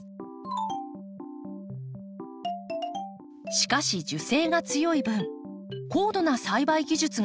しかし樹勢が強い分高度な栽培技術が求められます。